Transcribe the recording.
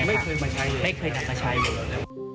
ไม่เคยนำมาใช้เลย